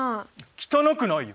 汚くないよ！